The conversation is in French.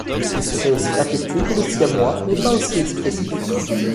Il serait aussi affectueux que le siamois mais pas aussi expressif.